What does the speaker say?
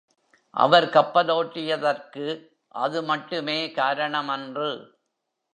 அவர் கப்பலோட்டியதற்கு அது மட்டுமே காரணமன்று.